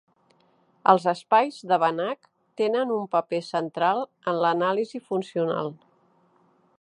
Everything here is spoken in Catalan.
Els espais de Banach tenen un paper central en l'anàlisi funcional.